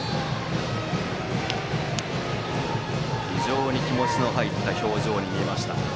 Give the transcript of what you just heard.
非常に気持ちの入った表情に見えました